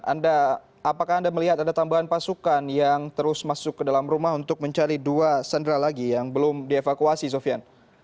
anda apakah anda melihat ada tambahan pasukan yang terus masuk ke dalam rumah untuk mencari dua sandera lagi yang belum dievakuasi sofian